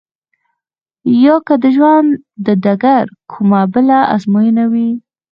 يا که د ژوند د ډګر کومه بله ازموينه وي.